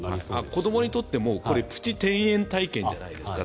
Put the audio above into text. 子どもにとってもプチ転園体験じゃないですか。